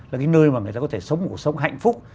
là cái nơi mà người ta có thể sống cuộc sống hạnh phúc